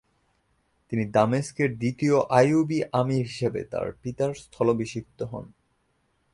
তিনি দামেস্কের দ্বিতীয় আইয়ুবী আমীর হিসেবে তার পিতার স্থলাভিষিক্ত হন।